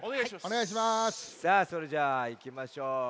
さあそれじゃあいきましょう。